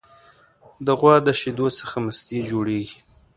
د غوا د شیدو څخه مستې جوړیږي.